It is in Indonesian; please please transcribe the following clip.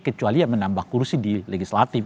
kecuali menambah kursi di legislatif